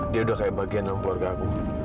dia udah kayak bagian dalam keluarga aku